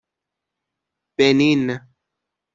بنین